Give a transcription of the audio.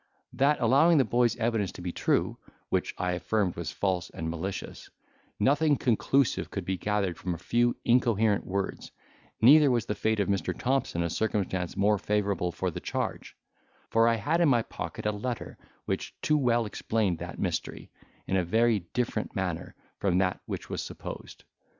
That, allowing the boy's evidence to be true (which I affirmed was false and malicious), nothing conclusive could be gathered from a few incoherent words; neither was the fate of Mr. Thompson a circumstance more favourable for the charge; for I had in my pocket a letter which too well explained that mystery, in a very different manner from that which was supposed.